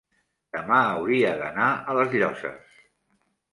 demà hauria d'anar a les Llosses.